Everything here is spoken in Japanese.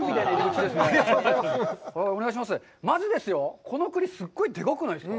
まずですよ、この栗、すごくでかくないですか？